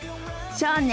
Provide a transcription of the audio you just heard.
そうね。